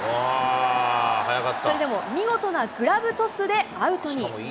それでも見事なグラブトスでアウトに。